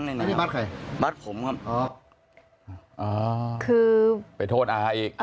นี่บัตรใครบัตรผมครับอ๋ออ๋อคือไปโทษอาอีก